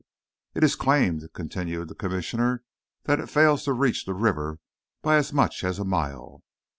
"It is claimed," continued the commissioner, "that it fails to reach the river by as much as a mile."